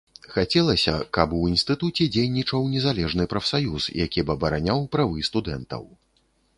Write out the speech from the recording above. Хацелася, каб у інстытуце дзейнічаў незалежны прафсаюз, які б абараняў правы студэнтаў.